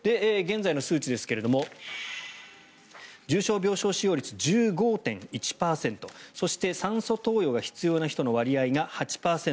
現在の数値ですが重症病床使用率１５．１％そして、酸素投与が必要な人の割合が８％。